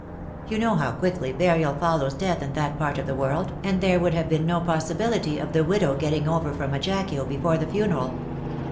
You know how quickly burial follows death in that part of the world, and there would have been no possibility of the widow getting over from Aj actio before the funeral.